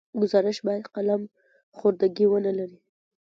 ګزارش باید قلم خوردګي ونه لري.